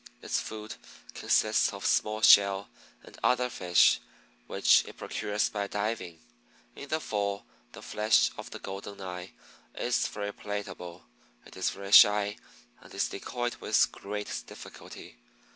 Its food consists of small Shell and other Fish, which it procures by diving. In the fall the flesh of the Golden eye is very palatable. It is very shy and is decoyed with great difficulty.